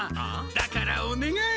だからおねがい！